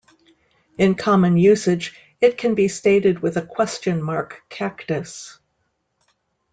In common usage, It can be stated with a question mark Cactus?